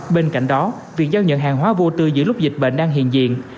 bên cạnh đó việc giao nhận hàng hóa vô tư giữa lúc dịch bệnh đang hiện diện